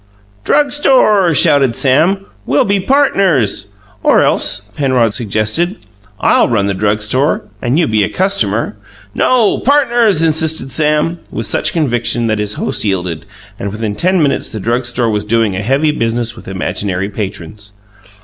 "Drug store!" shouted Sam. "We'll be partners " "Or else," Penrod suggested, "I'll run the drug store and you be a customer " "No! Partners!" insisted Sam with such conviction that his host yielded; and within ten minutes the drug store was doing a heavy business with imaginary patrons.